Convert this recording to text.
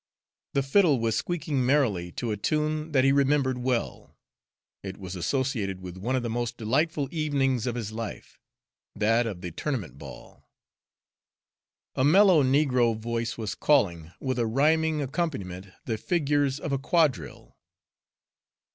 The fiddle was squeaking merrily so a tune that he remembered well, it was associated with one of the most delightful evenings of his life, that of the tournament ball. A mellow negro voice was calling with a rhyming accompaniment the figures of a quadrille.